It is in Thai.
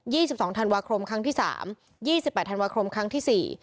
สิบสองธันวาคมครั้งที่สามยี่สิบแปดธันวาคมครั้งที่สี่